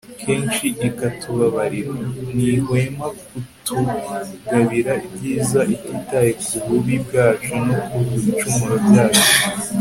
kenshi ikatubabarira. ntihwema kutugabira ibyiza ititaye ku bubi bwacu no ku bicumuro byacu